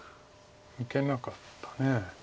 受けなかった。